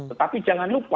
tetapi jangan lupa